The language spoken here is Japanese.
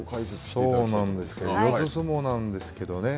そうなんですけど、四つ相撲なんですけどね。